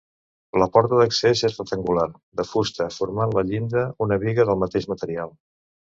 La porta d'accés és rectangular, de fusta, formant la llinda una biga del mateix material.